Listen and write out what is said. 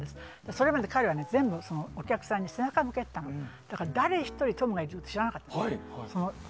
それまで彼は全部お客さんに背中を向けてたから誰一人トムがいるって知らなかったの。